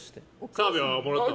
澤部はもらったの？